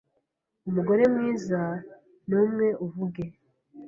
Umugoremwize ni umwe uvuge